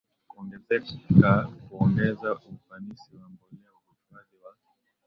kuongezeka kuongeza ufanisi wa mbolea uhifadhi wa